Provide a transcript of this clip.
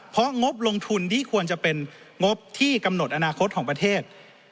เพราะงบลงทุนที่ควรจะเป็นงบที่กำหนดอนาคตของประเทศ